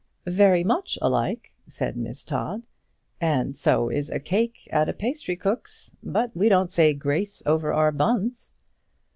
"Very much alike," said Miss Todd, "and so is a cake at a pastry cook's. But we don't say grace over our buns."